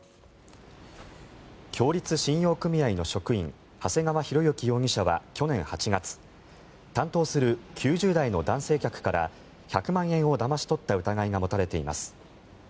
共立信用組合の職員長谷川広之容疑者は去年８月担当する９０代の男性客から１００万円をだまし取った疑いが持たれています。